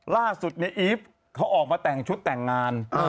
ล่าสุดในอีฟเขาออกมาแต่งชุดแต่งงาน